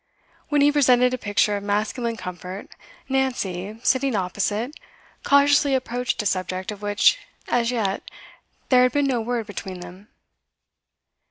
When he presented a picture of masculine comfort, Nancy, sitting opposite, cautiously approached a subject of which as yet there had been no word between them.